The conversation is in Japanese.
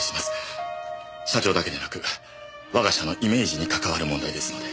社長だけでなく我が社のイメージにかかわる問題ですので。